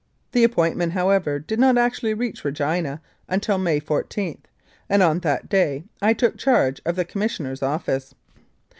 The appointment, however, did not actually reach Regina until May 14, and on that day I took charge of the Commissioner's office.